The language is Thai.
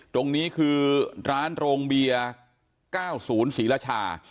ตรงนี้คือร้านโรงเบียร์๙๐ศรีรชา